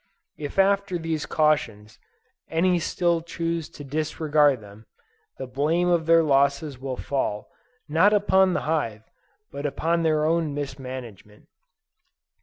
If after these cautions, any still choose to disregard them, the blame of their losses will fall, not upon the hive, but upon their own mismanagement.